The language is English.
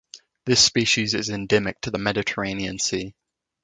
This species is endemic to the Mediterranean Sea.